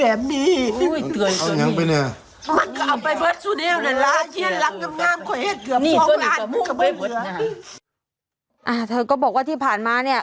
เธอก็บอกว่าที่ผ่านมาเนี่ย